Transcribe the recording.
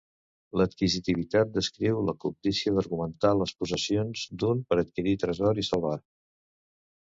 L'adquisitivitat descriu la cobdícia d'augmentar les possessions d'un, per adquirir, tresor i salvar.